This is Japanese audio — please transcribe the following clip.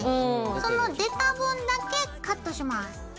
その出た分だけカットします。